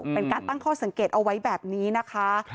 เป็นการตั้งข้อสังเกตเอาไว้แบบนี้นะคะ